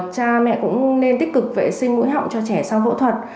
cha mẹ cũng nên tích cực vệ sinh mũi họng cho trẻ sau phẫu thuật